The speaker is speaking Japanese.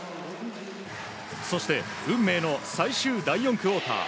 そして運命の最終第４クオーター。